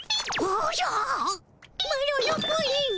マロのプリンが。